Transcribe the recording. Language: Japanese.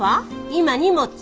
今荷物。